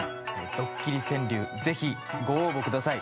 ドッキリ川柳ぜひご応募ください。